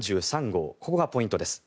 ここがポイントです。